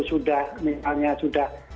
sudah misalnya sudah